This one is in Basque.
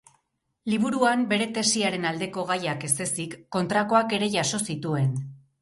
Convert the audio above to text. Liburuan bere tesiaren aldeko gaiak ez ezik, kontrakoak ere jaso zituen.